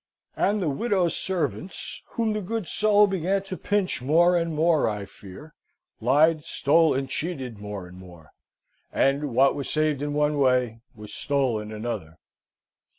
And the widow's servants, whom the good soul began to pinch more and more I fear, lied, stole, and cheated more and more: and what was saved in one way, was stole in another.